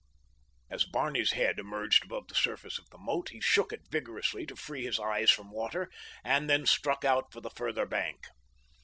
As Barney's head emerged above the surface of the moat he shook it vigorously to free his eyes from water, and then struck out for the further bank.